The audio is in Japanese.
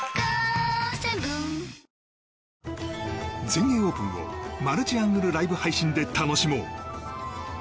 全英オープンをマルチアングルライブ配信で楽しもう。